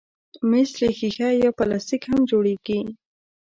مېز له ښيښه یا پلاستیک هم جوړېږي.